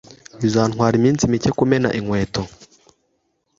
Bizatwara iminsi mike kumena inkweto